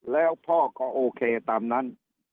แล้วพ่อก็โอเคตามนั้น